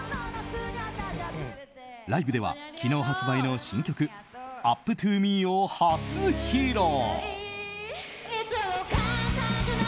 ライブでは昨日発売の新曲「ＵＰｔｏＭＥ」を初披露。